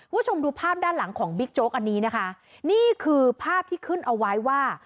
คุณผู้ชมดูภาพด้านหลังของบิ๊กโจ๊กอันนี้นะคะนี่คือภาพที่ขึ้นเอาไว้ว่า